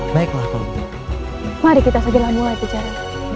baiklah mari kita segera mulai bicara